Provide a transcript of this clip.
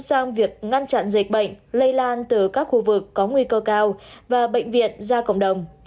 sang việc ngăn chặn dịch bệnh lây lan từ các khu vực có nguy cơ cao và bệnh viện ra cộng đồng